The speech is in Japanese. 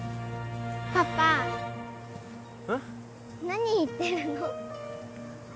パパうん何言ってるの？